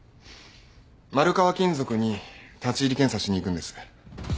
丸川金属に立入検査しに行くんです。